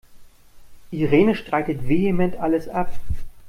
Irene streitet vehement alles ab.